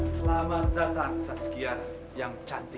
selamat datang saskia yang cantik